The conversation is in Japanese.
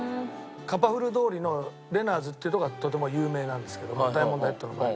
カパフル通りのレナーズっていうとこがとても有名なんですけどもダイヤモンドヘッドの前の。